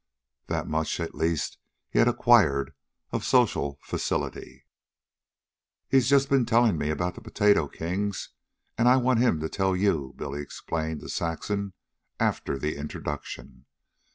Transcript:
That much at least he had acquired of social facility. "He's just ben tellin' me about the potato kings, and I wanted him to tell you," Billy explained to Saxon after the introduction.